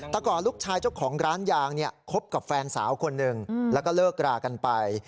แต่ก่อนลูกชายเจ้าของร้านยางเนี่ยคบกับแฟนสาวคนหนึ่งแล้วก็เลิกรากันไป